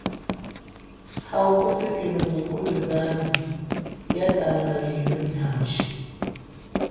Ha ubutukilo mukulu zambi yatanga lilu nyi hashi.